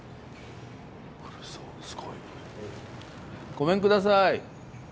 ごめんください。